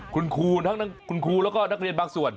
คุณครูทั้งคุณครูแล้วก็นักเรียนบางส่วน